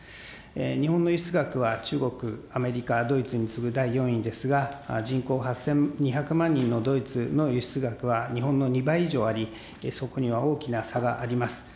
日本の輸出額は中国、アメリカ、ドイツに次ぐ第４位ですが、人口８２００万人のドイツの輸出額は日本の２倍以上あり、そこには大きな差があります。